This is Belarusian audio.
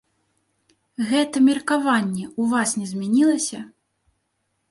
Гэта меркаванне ў вас не змянілася?